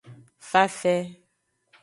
Fafe.